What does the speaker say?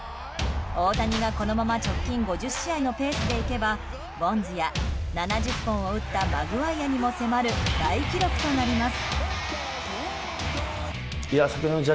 大谷がこのまま直近５０試合のペースでいけばボンズや７０本を打ったマグワイアにも迫る大記録となります。